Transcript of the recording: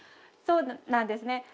そうなんですね。